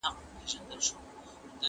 ټکنالوژیکي ستونزې د پرمختګ مخه نیسي.